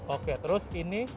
oke terus ini